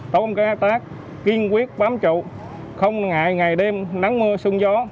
tổ công ca tác kiên quyết bám trụ không ngại ngày đêm nắng mưa xuân gió